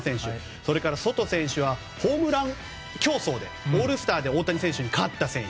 それからソト選手はホームラン競争でオールスターで大谷選手に勝った選手。